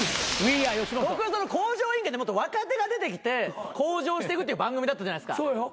僕は『向上委員会』ってもっと若手が出てきて向上していくっていう番組だったじゃないですか。